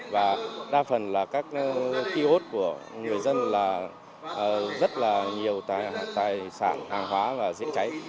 và đa phần là các kiosk của người dân là rất là nhiều tài sản hàng hóa và diễn cháy